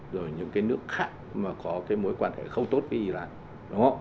rồi những cái nước khác mà có cái mối quan hệ không tốt với iran